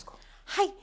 はい。